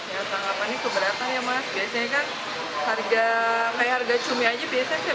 ya apa apa ini keberatan ya mas biasanya kan harga kayak harga cumi aja biasanya rp empat puluh